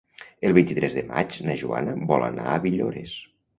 El vint-i-tres de maig na Joana vol anar a Villores.